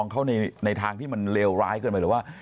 เขาในทางที่มันเลวร้ายเกินไปหรือว่า